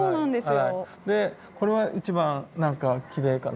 でこれは一番なんかきれいかな。